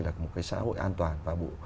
là một cái xã hội an toàn